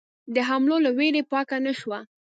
د حملو له وېرې پاکه نه شوه.